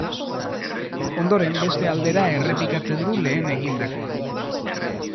Ondoren beste aldera errepikatzen du lehen egindakoa.